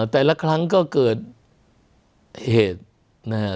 แต่ละครั้งก็เกิดเหตุนะฮะ